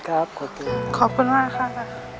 ขอบคุณครับขอบคุณมากครับ